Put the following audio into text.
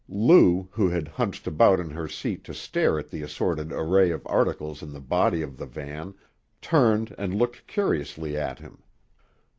Lou, who had hunched about in her seat to stare at the assorted array of articles in the body of the van, turned and looked curiously at him.